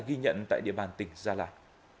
ghi nhận tại địa bàn tỉnh gia lai